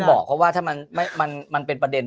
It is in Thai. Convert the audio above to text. บอกเขาว่าถ้ามันเป็นประเด็น